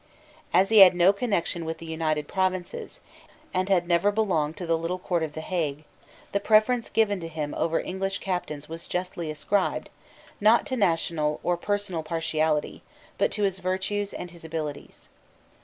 As he had no connection with the United Provinces, and had never belonged to the little Court of the Hague, the preference given to him over English captains was justly ascribed, not to national or personal partiality, but to his virtues and his abilities.